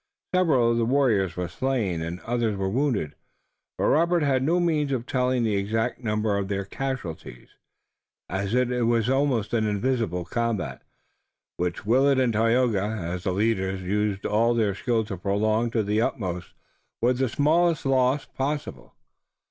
Several of the warriors were slain, and others were wounded, but Robert had no means of telling the exact number of their casualties, as it was an almost invisible combat, which Willet and Tayoga, as the leaders, used all their skill to prolong to the utmost with the smallest loss possible.